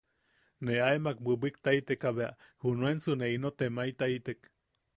Ne aemak bwibwiktaiteka bea junensu ne ino temaetaitek.